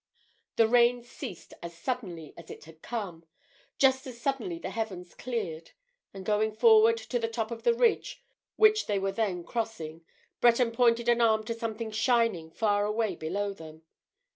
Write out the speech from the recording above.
The rain ceased as suddenly as it had come. Just as suddenly the heavens cleared. And going forward to the top of the ridge which they were then crossing, Breton pointed an arm to something shining far away below them.